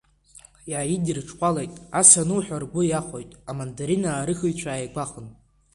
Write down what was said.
Иааидирҽхәалеит, ас ануҳәо ргәы иахәоит амандарина аарыхыҩцәа ааигәахәын.